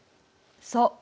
そう。